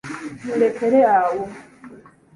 Mulekere awo!